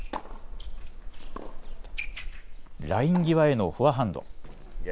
ライン際へのフォアハンド。